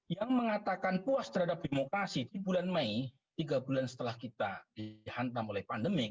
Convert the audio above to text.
yang mengatakan puas terhadap demokrasi di bulan mei tiga bulan setelah kita dihantam oleh pandemi